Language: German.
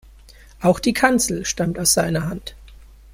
Auch die Kanzel stammt aus seiner Hand.